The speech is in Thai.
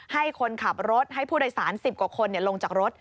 ให้คนขับรถให้ผู้โดยสาร๑๐กว่าคนลงจากรถ